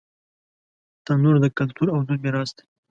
تنور د کلتور او دود میراث دی